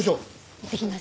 いってきます。